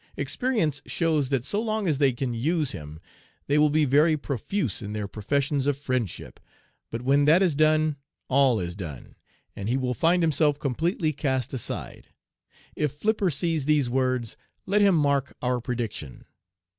Experience shows that so long as they can use him, they will be very profuse in their professions of friendship; but when that is done all is done, and he will find himself completely cast aside. If Flipper sees these words, let him mark our prediction."